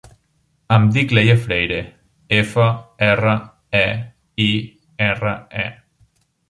Em dic Leia Freire: efa, erra, e, i, erra, e.